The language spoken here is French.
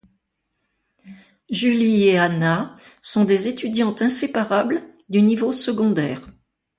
Julie et Hannah sont des étudiantes inséparables du niveau secondaire.